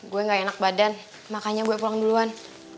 gue gak enak badan makanya gue pulang duluan